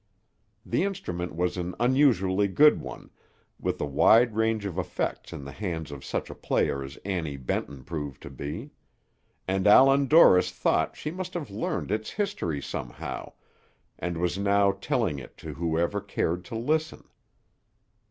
The instrument was an unusually good one, with a wide range of effects in the hands of such a player as Annie Benton proved to be; and Allan Dorris thought she must have learned his history somehow, and was now telling it to whoever cared to listen.